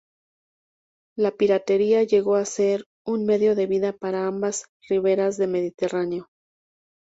La piratería llegó a ser un medio de vida para ambas riberas de Mediterráneo.